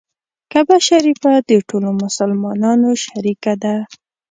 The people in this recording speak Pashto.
کعبه شریفه د ټولو مسلمانانو شریکه ده.